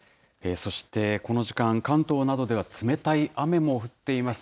そしてこの時間、関東などでは冷たい雨も降っています。